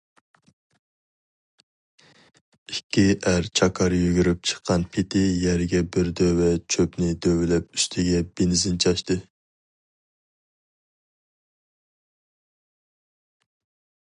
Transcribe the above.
ئىككى ئەر چاكار يۈگۈرۈپ چىققان پېتى يەرگە بىر دۆۋە چۆپنى دۆۋىلەپ ئۈستىگە بېنزىن چاچتى.